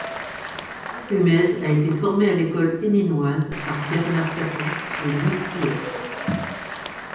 Humez a été formé à l'école héninoise par Bernard Capon et Louis Sion.